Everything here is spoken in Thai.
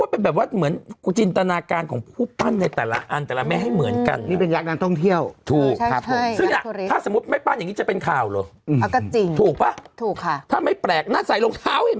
เป็นแบบว่าเหมือนคุณจินตนาการของผู้ปั้นในแต่ละอันแต่ละไม่ให้เหมือนกัน